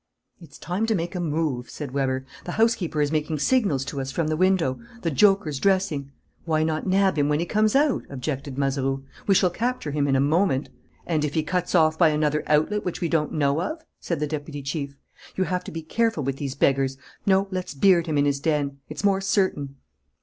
"It's time to make a move," said Weber. "The housekeeper is making signals to us from the window: the joker's dressing." "Why not nab him when he comes out?" objected Mazeroux. "We shall capture him in a moment." "And if he cuts off by another outlet which we don't know of?" said the deputy chief. "You have to be careful with these beggars. No, let's beard him in his den. It's more certain."